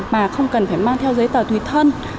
mà không cần phải mang theo giấy tờ tùy thân